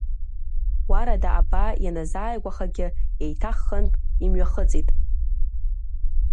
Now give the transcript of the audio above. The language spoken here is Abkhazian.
Уарда абаа ианазааигәахагьы, еиҭах хынтә имҩахыҵит.